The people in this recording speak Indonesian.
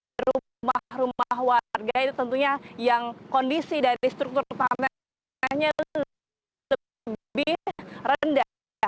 dan kondisi di rumah rumah warga itu tentunya yang kondisi dari struktur utamanya lebih rendah